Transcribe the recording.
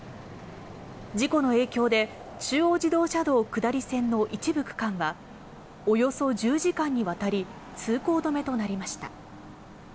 事故の影響で中央自動車道下り線の一部区間はおよそ１０時間にわたり通行止めとなりました。